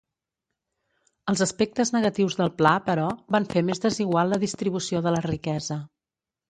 Els aspectes negatius del pla, però, van fer més desigual la distribució de la riquesa.